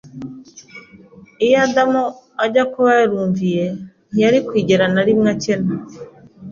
Iyo Adamu ajya kuba yarumviye, ntiyari kwigera na rimwe akena